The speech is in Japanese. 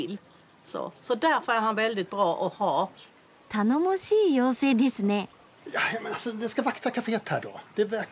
頼もしい妖精ですね。